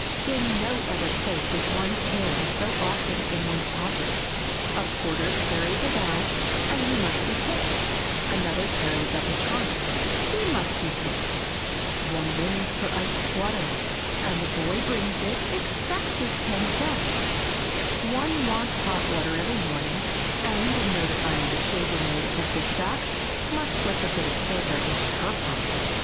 In no other place is one's hand so often in one's pocket. A porter carries a bag, and he must be tipped; another carries up a trunk, he must be tipped; one rings for iced water, and the boy bringing it expects his ten cents; one wants hot water every morning, and in notifying the chambermaid of this fact, must slip a bit of silver into her palm.